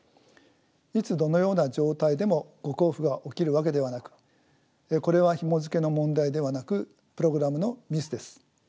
いつどのような状態でも誤交付が起きるわけではなくこれはひもづけの問題ではなくプログラムのミスです。